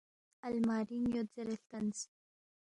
المارِینگ یود زیرے ہلتنس